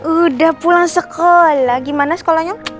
udah pulang sekolah gimana sekolahnya